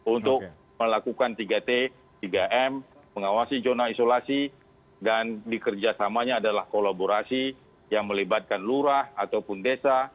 untuk melakukan tiga t tiga m mengawasi zona isolasi dan dikerjasamanya adalah kolaborasi yang melibatkan lurah ataupun desa